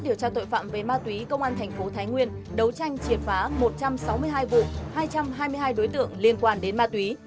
điều tra tội phạm về ma túy công an thành phố thái nguyên đấu tranh triệt phá một trăm sáu mươi hai vụ hai trăm hai mươi hai đối tượng liên quan đến ma túy